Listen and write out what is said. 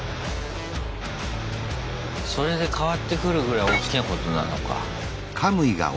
それで変わってくるぐらいおっきなことなのか。